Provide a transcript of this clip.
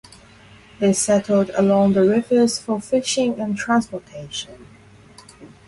They settled along the rivers for fishing and transportation.